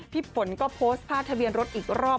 พี่ฝนก็โพสต์ภาพทะเบียนรถอีกรอบ